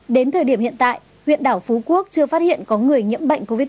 đến thời điểm hiện tại huyện đảo phú quốc chưa phát hiện có người nhiễm bệnh covid một mươi chín